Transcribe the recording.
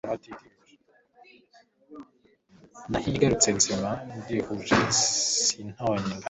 nahi iyo igarutse ikiri nzima, arihorera akagera igipfunsi mu kanwa, ati: Ndijute, sintongane